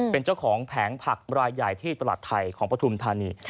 เป็นเจ้าของแผงผักรายใหญ่ที่ตลาดไทยของปฐุมธานี